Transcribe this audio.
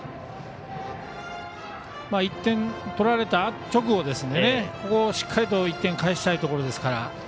１点取られた直後ですのでここをしっかり１点を返したいところですから。